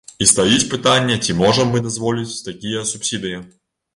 І стаіць пытанне, ці можам мы дазволіць такія субсідыі?